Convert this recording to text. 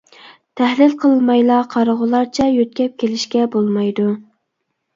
تەھلىل قىلمايلا قارىغۇلارچە يۆتكەپ كېلىشكە بولمايدۇ.